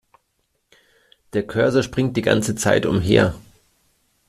Der Cursor springt die ganze Zeit umher.